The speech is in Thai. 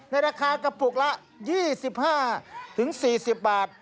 ในราคากระปุกละ๒๕๔๐บาท